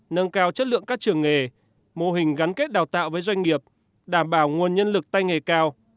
nâng cao chất lượng các trường nghề mô hình gắn kết đào tạo với doanh nghiệp đảm bảo nguồn nhân lực tay nghề cao